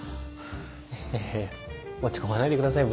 いやいや落ち込まないでくださいよ